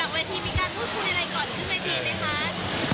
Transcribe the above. หลับวันที่มีการพูดคุยอะไรก่อนขึ้นไปในทีส์เนี่ยคะ